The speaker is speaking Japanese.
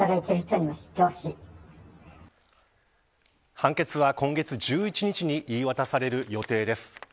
判決は今月１１日に言い渡される予定です。